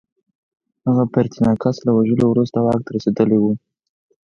هغه پرتیناکس له وژلو وروسته واک ته رسېدلی و